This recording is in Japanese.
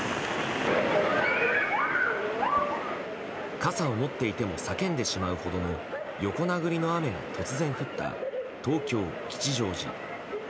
傘を持っていても叫んでしまうほどの横殴りの雨が突然降った東京・吉祥寺。